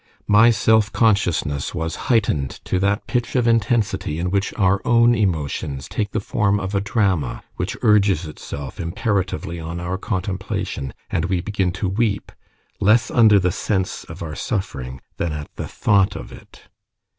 My self consciousness was heightened to that pitch of intensity in which our own emotions take the form of a drama which urges itself imperatively on our contemplation, and we begin to weep, less under the sense of our suffering than at the thought of it.